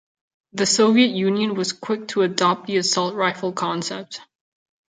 The Soviet Union was quick to adopt the assault rifle concept.